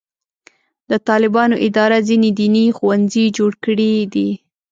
د طالبانو اداره ځینې دیني ښوونځي جوړ کړي دي.